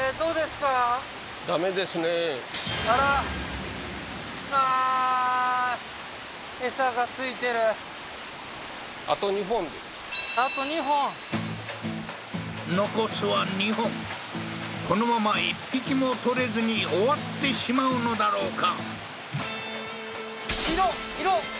あらあと２本残すは２本このまま１匹も獲れずに終わってしまうのだろうか？